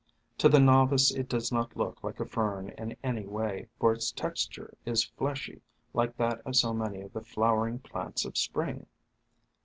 To the novice it does not look like a Fern in any way, for its texture is fleshy like that of so many of the flow ering plants of Spring.